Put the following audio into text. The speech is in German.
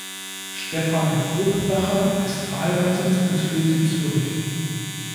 Stefan Brupbacher ist verheiratet und lebt in Zürich.